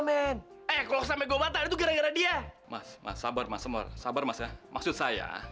men eh kok sampai gua batal itu gara gara dia mas mas sabar mas sabar masa maksud saya